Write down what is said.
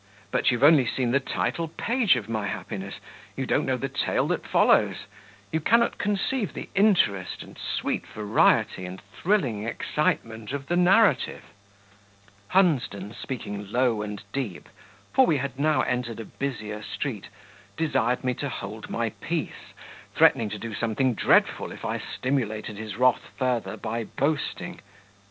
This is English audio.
But you've only seen the title page of my happiness; you don't know the tale that follows; you cannot conceive the interest and sweet variety and thrilling excitement of the narrative." Hunsden speaking low and deep, for we had now entered a busier street desired me to hold my peace, threatening to do something dreadful if I stimulated his wrath further by boasting.